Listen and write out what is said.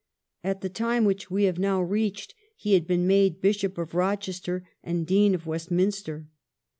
At the time which we have now reached he had been made Bishop of Eochester and Dean of Westminster.